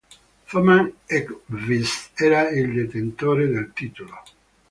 Thomas Enqvist era il detentore del titolo.